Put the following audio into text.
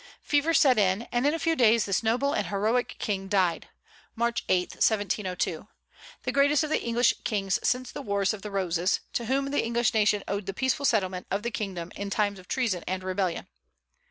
Fever set in, and in a few days this noble and heroic king died (March 8, 1702), the greatest of the English kings since the Wars of the Roses, to whom the English nation owed the peaceful settlement of the kingdom in times of treason and rebellion.